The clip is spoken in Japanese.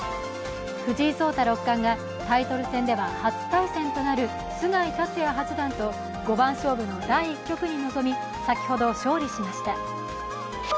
藤井聡太六冠がタイトル戦では初対戦となる菅井竜也八段と五番勝負の第１局に臨み先ほど勝利しました。